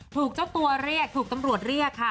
ถูกเจ้าตัวเรียกถูกตำรวจเรียกค่ะ